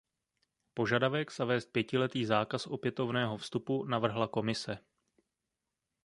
Požadavek zavést pětiletý zákaz opětovného vstupu navrhla Komise.